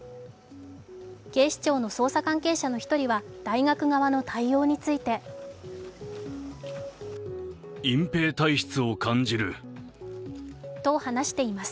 警視庁の捜査関係者の１人は大学側の対応についてと話しています。